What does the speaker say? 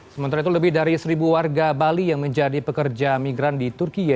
sementara itu lebih dari seribu warga bali yang menjadi pekerja migran di turkiye